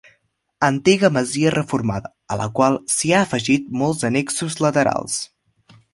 Antiga masia reformada, a la qual s'hi ha afegit molts annexos laterals.